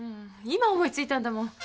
今思い付いたんだもん。